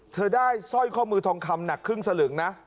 เธอได้สร้อยข้อมือทองคำหนักครึ่งสลึงนะ